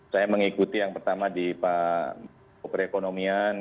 saya mengikuti yang pertama di pak perekonomian